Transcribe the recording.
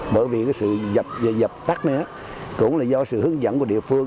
bởi vì sự dập và dập tắt này cũng là do sự hướng dẫn của địa phương